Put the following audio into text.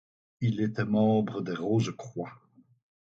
Il était membre des Rose-Croix.